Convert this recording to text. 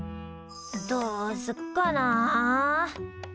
どうすっかな？